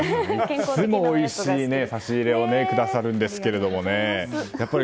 すぐおいしい差し入れをくださるんですが。